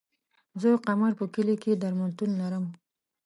زه قمر په کلي کی درملتون لرم